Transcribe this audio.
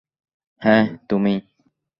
হ্যাঁ, তুমিই!